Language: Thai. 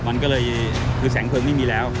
มันก็เลยคือแสงเพลิงไม่มีแล้ว